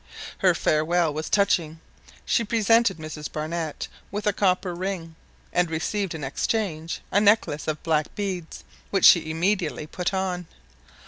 Her farewell was touching. She presented Mrs Barnett with a copper ring, and received in exchange a necklace of black beads, which she immediately put on.